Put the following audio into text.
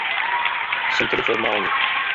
Jsou tedy formální.